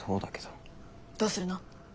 どうするの？